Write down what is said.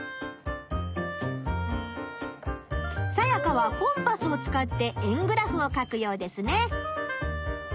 サヤカはコンパスを使って円グラフを書くようですね！